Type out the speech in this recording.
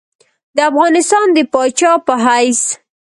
د افغانستان د پاچا په حیث.